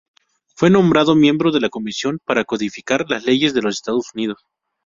Fue nombrado miembro de la comisión para codificar las leyes de los Estados Unidos.